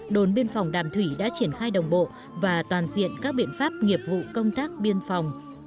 đồn biên phòng đàm thủy đã triển khai đồng bộ và toàn diện các biện pháp nghiệp vụ công tác biên phòng